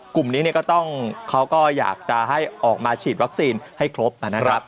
กลุ่มนี้ก็ต้องเขาก็อยากจะให้ออกมาฉีดวัคซีนให้ครบนะครับ